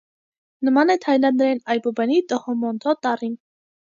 Նման է թաիլանդերեն այբուբենի «տհոմոնտհո» տառին։